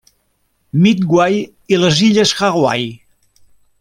Midway i les illes Hawaii.